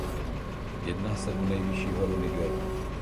Jedná se o nejvyšší horu Nigeru.